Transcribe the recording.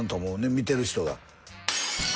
見てる人が。